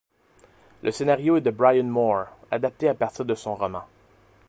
Le scénario est de Brian Moore, adapté à partir de son roman.